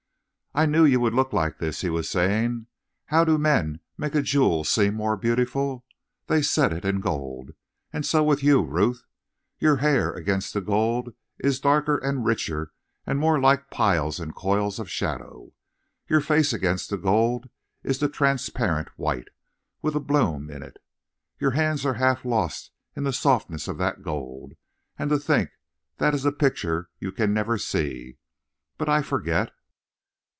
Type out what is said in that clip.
"I knew you would look like this," he was saying. "How do men make a jewel seem more beautiful? They set it in gold! And so with you, Ruth. Your hair against the gold is darker and richer and more like piles and coils of shadow. Your face against the gold is the transparent white, with a bloom in it. Your hands are half lost in the softness of that gold. And to think that is a picture you can never see! But I forget."